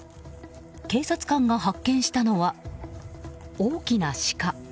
警察官が発見したのは大きなシカ。